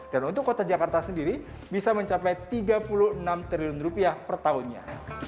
dan untuk kota jakarta sendiri bisa mencapai tiga puluh enam triliun rupiah per tahunnya